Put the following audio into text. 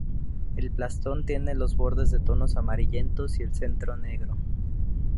El plastrón tiene los bordes de tonos amarillentos y el centro negro.